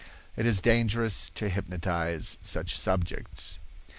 It is dangerous to hypnotize such subjects.